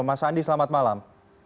mas andi selamat malam